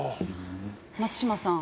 松嶋さん